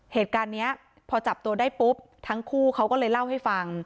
เหตุการณ์นี้พอจับตัวได้ปุ๊บทั้งคู่เขาก็เลยเล่าให้ฟัง